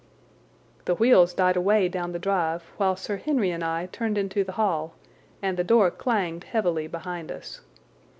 The wheels died away down the drive while Sir Henry and I turned into the hall, and the door clanged heavily behind us.